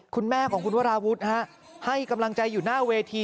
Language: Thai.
คุณแม่ของคุณวราวุฒิให้กำลังใจอยู่หน้าเวที